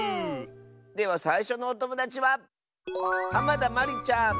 ではさいしょのおともだちはまりちゃんの。